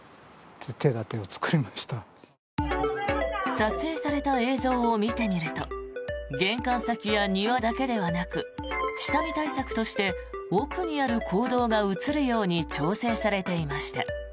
撮影された映像を見てみると玄関先や庭だけではなく下見対策として奥にある公道が映るように調整されていました。